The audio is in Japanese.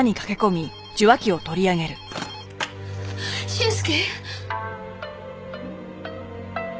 俊介？